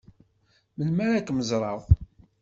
Melmi ad kem-ẓṛeɣ?